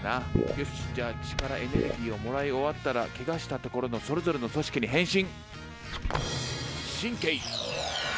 よしじゃあ血からエネルギーをもらい終わったらけがしたところのそれぞれの組織に変身。